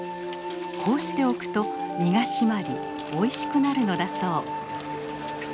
こうしておくと身が締まりおいしくなるのだそう。